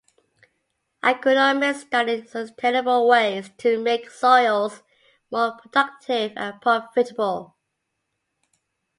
Agronomists study sustainable ways to make soils more productive and profitable.